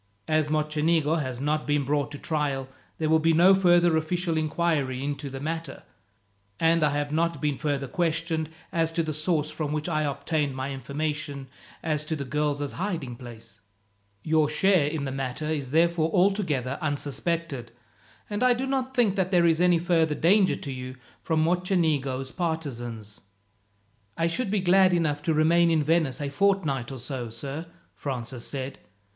As Mocenigo has not been brought to trial, there will be no further official inquiry into the matter, and I have not been further questioned as to the source from which I obtained my information as to the girls' hiding place. Your share in the matter is therefore altogether unsuspected, and I do not think that there is any further danger to you from Mocenigo's partisans." "I should be glad enough to remain in Venice a fortnight or so, sir," Francis said.